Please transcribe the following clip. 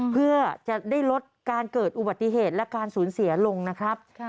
เพื่อจะได้ลดการเกิดอุบัติเหตุและการสูญเสียลงนะครับ